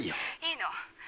いいの。